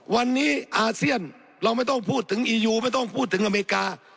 วันนี้อาเซียนเราไม่ต้องพูดถึงอียูไม่ต้องพูดถึงอเมริกา